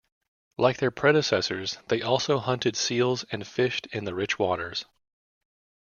Like their predecessors, they also hunted seals and fished in the rich waters.